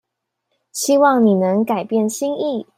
希望你能改變心意